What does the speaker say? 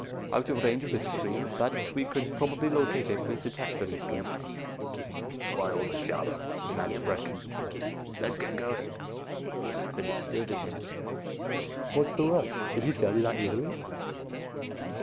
"Out of range of this screen, but we could probably locate it with detector instruments." "Why all the jabber?" demanded Brecken. "Let's get going!" Phillips stared at him. "What's the rush? Did he sell you that easily?"